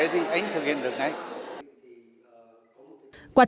thì anh thực hiện được đấy